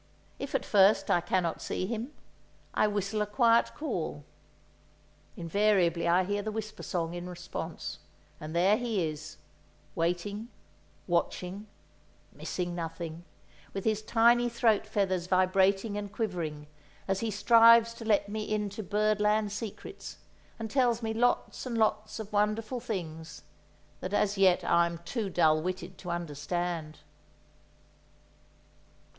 If at first I cannot see him, I whistle a quiet call; invariably I hear the Whisper Song in response, and there he is—waiting, watching, missing nothing, with his tiny throat feathers vibrating and quivering as he strives to let me into bird land secrets, and tells me lots and lots of wonderful things that as yet I am too dull witted to understand.